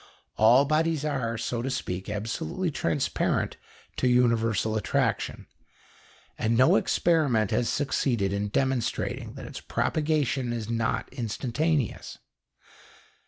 All bodies are, so to speak, absolutely transparent to universal attraction, and no experiment has succeeded in demonstrating that its propagation is not instantaneous.